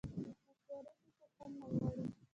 مشورې هیڅوک هم نه غواړي